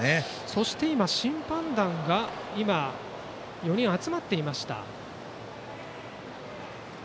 そして審判団が今４人集まっていました。